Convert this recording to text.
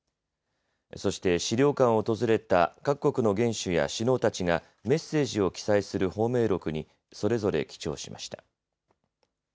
そして資料館を訪れた各国の元首や首脳たちがメッセージを記載する芳名録にそれぞれ記帳しました。